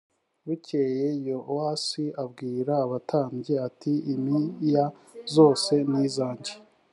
bukeye yowasi abwira abatambyi ati impiya zose nizange